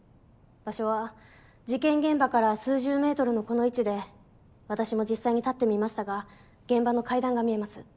場所は事件現場から数十メートルのこの位置で私も実際に立ってみましたが現場の階段が見えます。